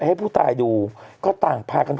ให้ผู้ตายดูก็ต่างพากัน